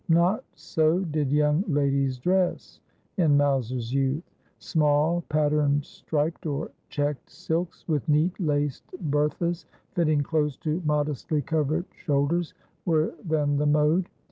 Not so did young ladies dress in Mowser's youth. Small patterned striped or checked silks, with neat laced berthas fitting close to modestly covered shoulders, were then the mode.